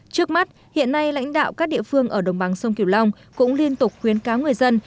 trước mắt hiện nay lãnh đạo các địa phương ở đồng bằng sông kiều long cũng liên tục khuyến cáo người dân